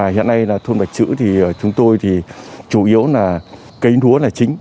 hiện nay thôn bạch chữ chúng tôi chủ yếu là cây núa chính